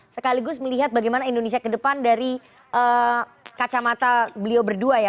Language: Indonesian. sekaligus melihat bagaimana indonesia ke depan dari kacamata beliau berdua ya